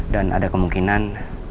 dan ada kemungkinan